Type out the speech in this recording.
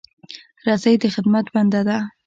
رسۍ د خدمت بنده ده.